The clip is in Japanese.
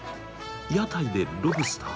屋台でロブスター？